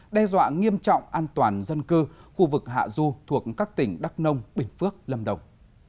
đe dọa nghiêm trọng an toàn dân cư khu vực hạ du thuộc các tỉnh đắk nông bình phước lâm đồng